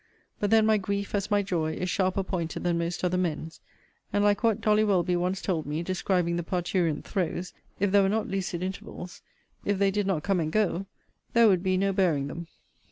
But then my grief, as my joy, is sharper pointed than most other men's; and, like what Dolly Welby once told me, describing the parturient throes, if there were not lucid intervals, if they did not come and go, there would be no bearing them.